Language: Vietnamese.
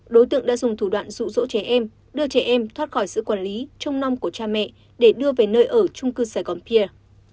đối tượng đã dùng thủ đoạn rủ rỗ trẻ em đưa trẻ em thoát khỏi sự quản lý trong nong của cha mẹ để đưa về nơi ở trung cư sài gòn pier